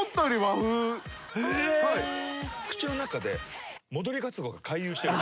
口の中で戻りがつおが回遊してる。